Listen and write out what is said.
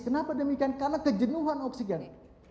kenapa demikian karena kejenuhan oksigen